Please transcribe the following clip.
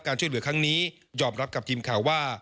ช่วยเหลือครั้งนี้ยอมรับกับทีมข่าวว่า